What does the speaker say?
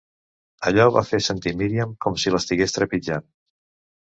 Allò va fer sentir Míriam com si l'estigués trepitjant.